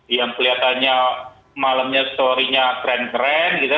yang kelihatannya malamnya story nya keren keren gitu